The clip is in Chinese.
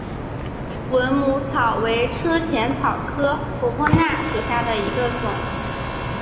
蚊母草为车前草科婆婆纳属下的一个种。